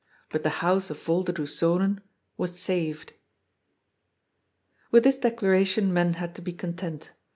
But the house of Volderdoes Zonen was saved. With this declaration men had to be content.